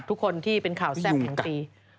ทุกคนเป็นข่าวแซ่บกันที